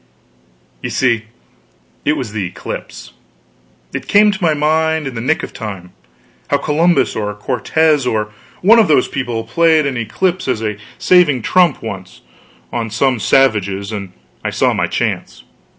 You see, it was the eclipse. It came into my mind in the nick of time, how Columbus, or Cortez, or one of those people, played an eclipse as a saving trump once, on some savages, and I saw my chance.